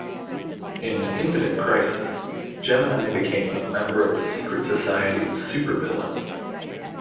In "Infinite Crisis", Gemini became a member of the Secret Society of Super Villains.